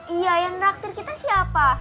iya yang karakter kita siapa